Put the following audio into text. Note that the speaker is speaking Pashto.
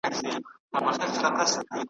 په یوه تعویذ مي سم درته پر لار کړ .